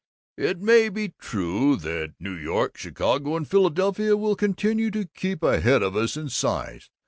It may be true that New York, Chicago, and Philadelphia will continue to keep ahead of us in size.